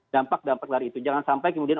dampak dampak dari itu jangan sampai kemudian